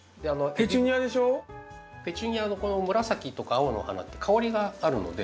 ペチュニアのこの紫とか青のお花って香りがあるので。